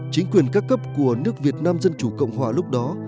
chính quyền các cấp của nước việt nam dân chủ cộng hòa lúc đó